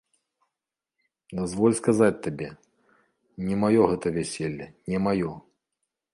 Дазволь сказаць табе, не маё гэта вяселле, не маё.